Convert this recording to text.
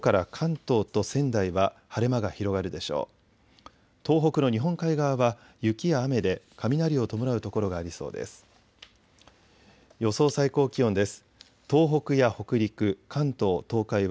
東北の日本海側は雪や雨で雷を伴う所がありそうです。